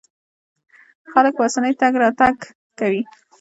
خلک په اسانۍ تګ راتګ کوي.